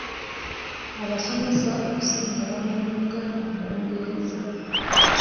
Abasomesa okusinga bamanyi Luganda na Lungereza.